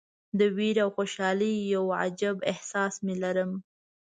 د ویرې او خوشالۍ یو عجیب احساس مې لرم.